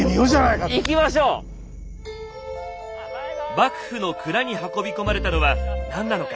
幕府の蔵に運び込まれたのは何なのか。